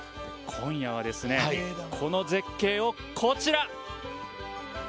今夜は、この絶景をこちら！